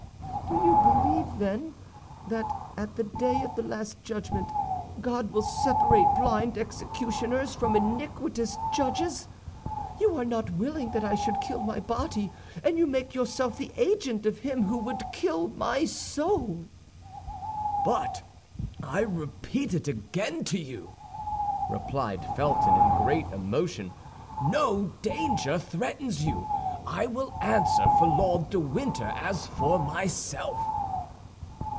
"Do you believe, then, that at the day of the Last Judgment God will separate blind executioners from iniquitous judges? You are not willing that I should kill my body, and you make yourself the agent of him who would kill my soul." "But I repeat it again to you," replied Felton, in great emotion, "no danger threatens you; I will answer for Lord de Winter as for myself."